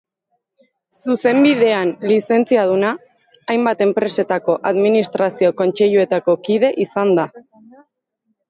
Zuzenbidean lizentziaduna, hainbat enpresetako administrazio kontseiluetako kide izan da.